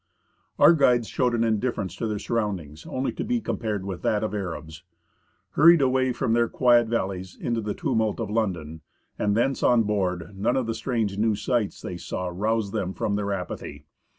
Our guides showed an indifference to their surroundings only to be compared with that of Arabs. Hurried away from their quiet valleys into the tumult of London, and thence on board, none of the strange new sights they saw roused them from their apathy.